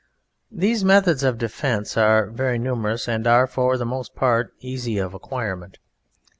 These methods of defence are very numerous and are for the most part easy of acquirement.